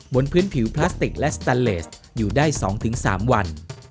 บนพื้นผิวพลาสติกและสแตนเลสอยู่ได้๒๓วัน